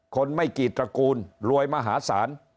คนไม่กี่ตระกูลรวยมหาศาล